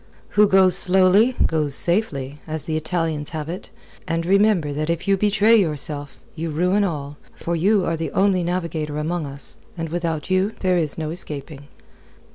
"Who goes slowly, goes safely, as the Italians have it. And remember that if you betray yourself, you ruin all, for you are the only navigator amongst us, and without you there is no escaping."